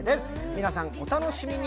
皆さん、お楽しみに。